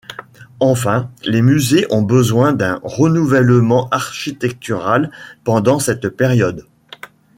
Enfin, les musées ont besoin d'un renouvellement architectural pendant cette période.